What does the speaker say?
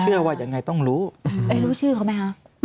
ว่ายังไงต้องรู้รู้ชื่อเขาไหมคะ